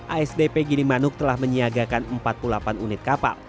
asdp gilimanuk telah menyiagakan empat puluh delapan unit kapal